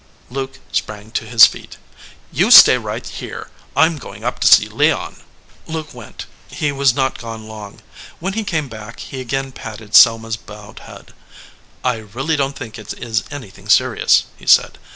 Luke sprang to his feet. "You stay right here. I m going up to see Leon." Luke went. He was not gone long. When he came back he again patted Selma s bowed head. "I really don t think it is anything serious," he said.